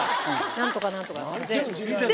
何とか何とかって。